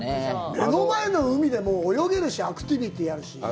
目の前の海で泳げるし、アクティビティはあるし。